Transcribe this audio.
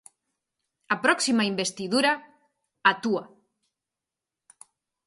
"A próxima investidura, a túa".